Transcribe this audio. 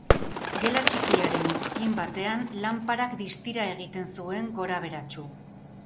Gela txikiaren izkin batean lanparak distira egiten zuen gorabeheratsu.